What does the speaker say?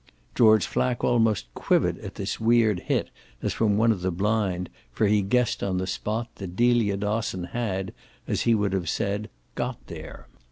George Flack almost quivered at this weird hit as from one of the blind, for he guessed on the spot that Delia Dosson had, as he would have said, got there.